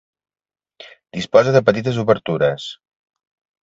Disposa de petites obertures.